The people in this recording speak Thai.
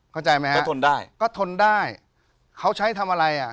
ก็ทนได้ก็ทนได้เขาใช้ทำอะไรอ่ะ